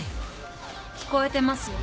聞こえてますよ